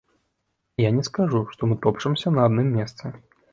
І я не скажу, што мы топчамся на адным месцы.